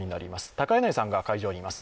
高柳さんが会場にいます。